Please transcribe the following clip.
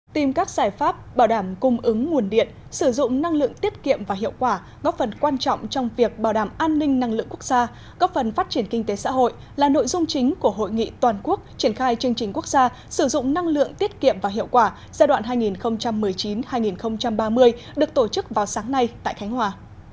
tìm các giải pháp bảo đảm cung ứng nguồn điện sử dụng năng lượng tiết kiệm và hiệu quả góp phần quan trọng trong việc bảo đảm an ninh năng lượng quốc gia góp phần phát triển kinh tế xã hội là nội dung chính của hội nghị toàn quốc triển khai chương trình quốc gia sử dụng năng lượng tiết kiệm và hiệu quả giai đoạn hai nghìn một mươi chín hai nghìn ba mươi được tổ chức vào sáng nay tại khánh hòa